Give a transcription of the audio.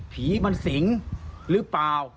ผีมันสิงหรือเปล่า